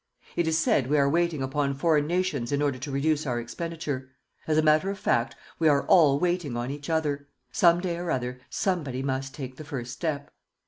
It is said we are waiting upon foreign nations in order to reduce our expenditure. As a matter of fact, we are all waiting on each other. Some day or other somebody must take the first step....